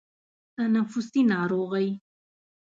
تنفسي ناروغۍ